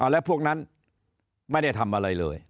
และพวกนั้นไม่ได้ทำอะไรเลย